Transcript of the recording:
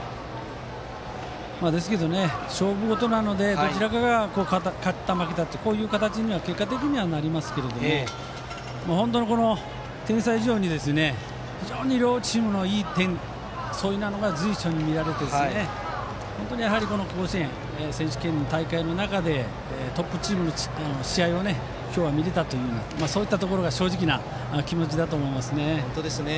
ですけど、勝負事なのでどちらかが勝った負けたとこういう形に結果的にはなりますけど本当に点差以上に非常に両チームのいいプレーが随所に見られて甲子園選手権大会の中でトップチームの試合を今日見れたというのが正直な気持ちだと思いますね。